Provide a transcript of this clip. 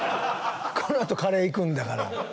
このあと、カレーいくんだから。